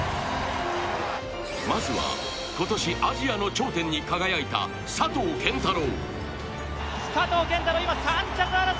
まずは今年アジアの頂点に輝いた佐藤拳太郎。